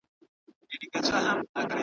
هسي نه سبا پښېمانه سی یارانو `